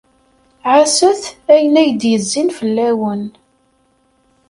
Ɛasset ayen ay d-yezzin fell-awen.